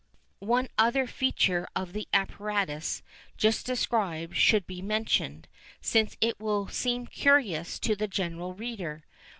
One other feature of the apparatus just described should be mentioned, since it will seem curious to the general reader.